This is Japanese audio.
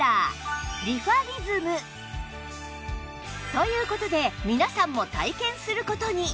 という事で皆さんも体験する事に